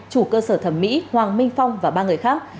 chủ cơ sở thẩm mỹ hoàng minh phong và ba người khác